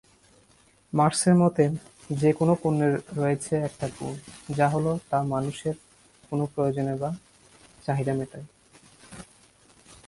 মার্ক্সের মতে, যে কোন পণ্যের রয়েছে একটা গুণ, যা হলো তা মানুষের কোন প্রয়োজন বা চাহিদা মেটায়।